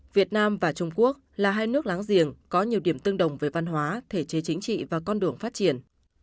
việt nam và trung quốc là hai nước láng giềng có nhiều điểm tương đồng về văn hóa thể chế chính trị và con đường phát triển